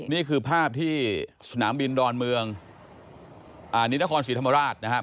นี่คือภาพที่สนามบินดอนเมืองนี่นครศรีธรรมราชนะครับ